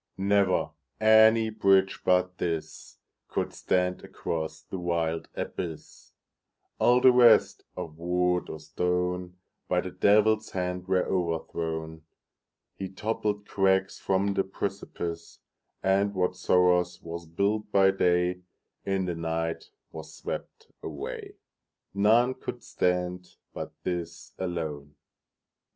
Never any bridge but thisCould stand across the wild abyss; All the rest, of wood or stone, By the Devil's hand were overthrown. He toppled crags from the precipice, And whatsoe'er was built by dayIn the night was swept away:None could stand but this alone.